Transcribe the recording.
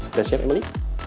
udah siap emily